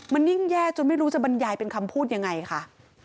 มันยิ่งแย่จนไม่รู้จัดฟันมายเป็นคำพูดอย่างไรคะ